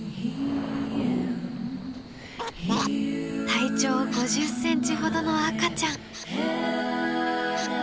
体長５０センチほどの赤ちゃん。